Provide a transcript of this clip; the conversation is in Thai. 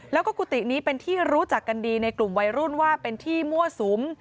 แล้วก็กุฏินี้เป็นที่รู้จักกันดีในกลุ่มวัยรุ่นว่าเป็นที่มั่วสุม